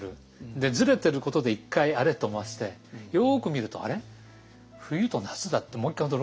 でずれてることで一回「あれ？」と思わせてよく見ると「あれ？冬と夏だ」ってもう一回驚かせる。